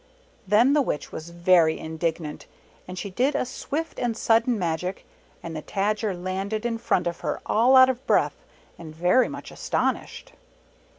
Then the Witch was very indignant, and she did a swift and sudden magic, and the Tajer landed in front of her all out of breath and very much astonished.